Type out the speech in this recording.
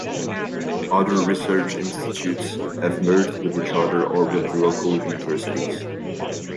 Other research institutes have merged with each other or with local universities.